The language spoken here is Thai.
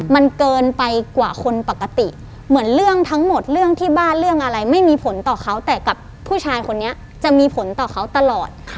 มันเกินไปกว่าคนปกติเหมือนเรื่องทั้งหมดเรื่องที่บ้านเรื่องอะไรไม่มีผลต่อเขาแต่กับผู้ชายคนนี้จะมีผลต่อเขาตลอด